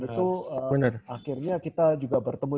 dan itu akhirnya kita juga bertemu